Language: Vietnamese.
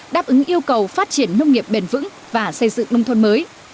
đáp ứng yêu cầu phát triển nông nghiệp bền vững và xây dựng nông thôn mới